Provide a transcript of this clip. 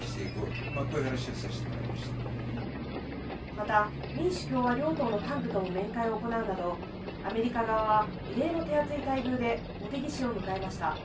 また民主・共和両党の幹部とも面会を行うなど、アメリカ側は異例の手厚い待遇で茂木氏を迎えました。